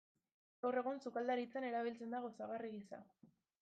Gaur egun, sukaldaritzan erabiltzen da gozagarri gisa.